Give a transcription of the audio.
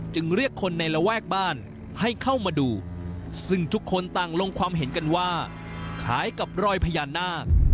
เรียกคนในระแวกบ้านให้เข้ามาดูซึ่งทุกคนต่างลงความเห็นกันว่าคล้ายกับรอยพญานาค